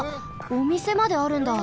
おみせまであるんだ。